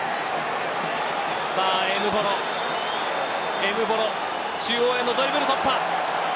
エムボロ中央へのドリブル突破。